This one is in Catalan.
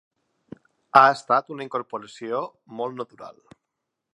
Ha estat una incorporació molt natural.